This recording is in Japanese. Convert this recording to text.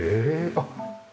あっ。